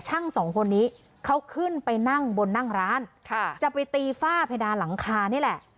สองคนนี้เขาขึ้นไปนั่งบนนั่งร้านค่ะจะไปตีฝ้าเพดานหลังคานี่แหละ